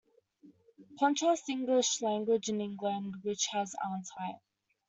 Contrast English language in England, which has Aren't I?